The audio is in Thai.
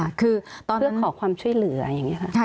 เพื่อขอความช่วยเหลืออย่างนี้